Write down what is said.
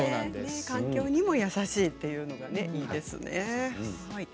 環境にも優しいというのがいいですね。